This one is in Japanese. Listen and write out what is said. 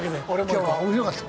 今日は面白かった。